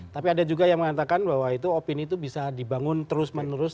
tapi ada juga yang mengatakan bahwa itu opini itu bisa dibangun terus menerus